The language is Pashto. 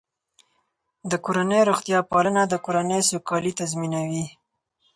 د کورنۍ روغتیا پالنه د کورنۍ سوکالي تضمینوي.